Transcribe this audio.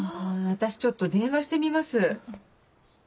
私ちょっと電話してみます。